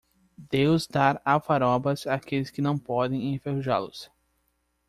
Deus dá alfarrobas àqueles que não podem enferrujá-los.